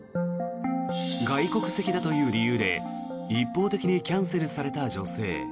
外国籍だという理由で一方的にキャンセルされた女性。